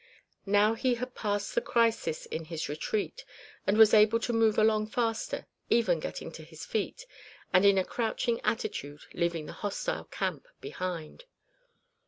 Now he had passed the crisis in his retreat and was able to move along faster, even getting to his feet, and in a couching attitude leaving the hostile camp behind.